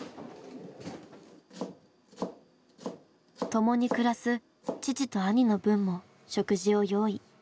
共に暮らす父と兄の分も食事を用意。